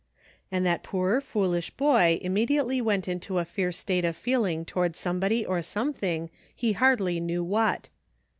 And that poor, foolish boy immediately went into a fierce state of feeling toward somebody or something, he hardly knew what.